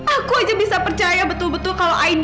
aku saja bisa percaya betul betul kalau anak kita itu aida